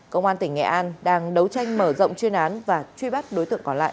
công an tỉnh nghệ an đang đấu tranh mở rộng chuyên án và truy bắt đối tượng còn lại